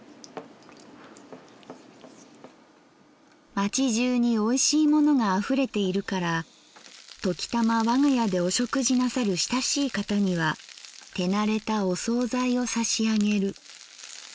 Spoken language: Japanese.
「街中においしいものが溢れているからときたまわが家でお食事なさる親しい方には手馴れたお惣菜を差し上げる。